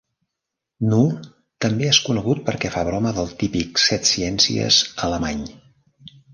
Nuhr també és conegut perquè fa broma del típic setciències alemany.